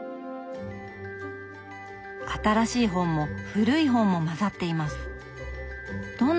新しい本も古い本も交ざっています。